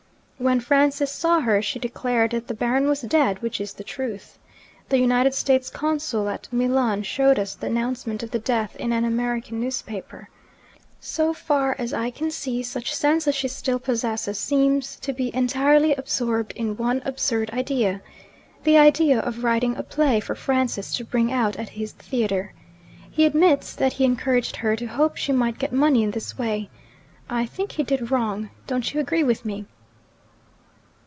When Francis saw her, she declared that the Baron was dead, which is the truth. The United States Consul at Milan showed us the announcement of the death in an American newspaper. So far as I can see, such sense as she still possesses seems to be entirely absorbed in one absurd idea the idea of writing a play for Francis to bring out at his theatre. He admits that he encouraged her to hope she might get money in this way. I think he did wrong. Don't you agree with me?'